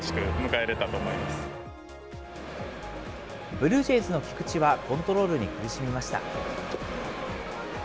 ブルージェイズの菊池は、コントロールに苦しみました。